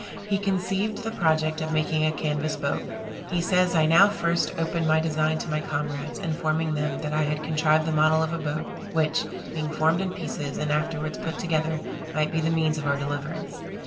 He conceived the project of making a canvas boat. He says I now first opened my design to my comrades, informing them, that I had contrived the model of a boat, which, being formed in pieces, and afterwards put together, might be the means of our deliverance.